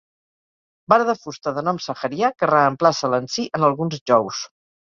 Vara de fusta de nom saharià que reemplaça l'ansí en alguns jous.